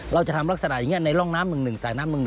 เราจะทำลักษณะอย่างนี้ในร่องน้ำมึง๑สายน้ำมึง๑